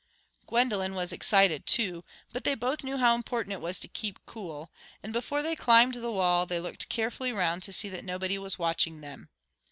Gwendolen was excited too, but they both knew how important it was to keep cool; and before they climbed the wall they looked carefully round to see that nobody was watching them.